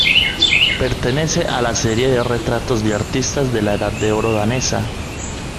Pertenece a la serie de retratos de artistas de la Edad de Oro danesa.